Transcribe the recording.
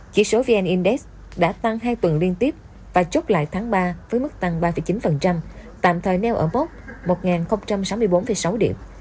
chỉ số vn index đã tăng hai tuần liên tiếp và chốt lại tháng ba với mức tăng ba chín tạm thời neo ở mốc một sáu mươi bốn sáu điểm